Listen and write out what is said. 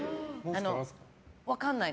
分かんない。